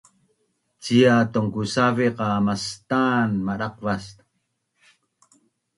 cia tongkusaveq qa mastan madaqvas